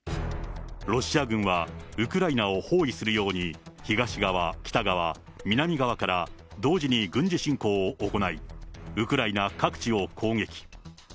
ロシア軍は、ウクライナを包囲するように、東側、北側、南側から、同時に軍事侵攻を行い、ウクライナ各地を攻撃。